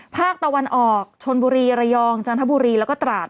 ภาคตะวันออกชนบุรีระยองจันทบุรีแล้วก็ตราด